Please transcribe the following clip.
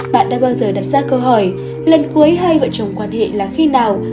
bạn đã bao giờ đặt ra câu hỏi lần cuối hai vợ chồng quan hệ là khi nào